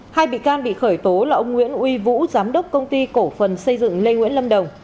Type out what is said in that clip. hai bị can bị khởi tố là ông nguyễn uy vũ giám đốc công ty cổ phần xây dựng lê nguyễn lâm đồng